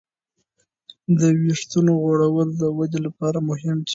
د وېښتو غوړول د ودې لپاره مهم دی.